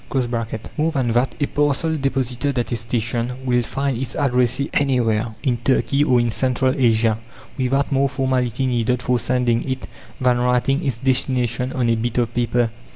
More than that: a parcel deposited at a station will find its addressee anywhere, in Turkey or in Central Asia, without more formality needed for sending it than writing its destination on a bit of paper.